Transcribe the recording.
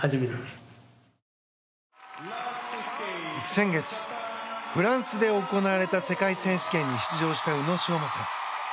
先月、フランスで行われた世界選手権に出場した宇野昌磨さん。